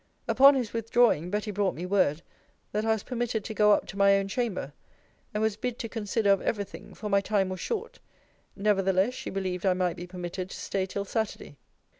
Upon his withdrawing, Betty brought me word, that I was permitted to go up to my own chamber: and was bid to consider of every thing: for my time was short. Nevertheless, she believed I might be permitted to stay till Saturday.